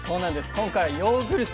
今回はヨーグルト。